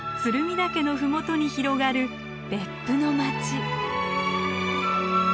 岳の麓に広がる別府の街。